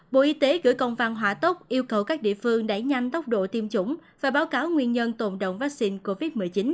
bộ y tế gửi công văn hỏa tốc yêu cầu các địa phương đẩy nhanh tốc độ tiêm chủng và báo cáo nguyên nhân tồn động vaccine covid một mươi chín